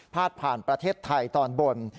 ผ่านประเทศไทยตอนบน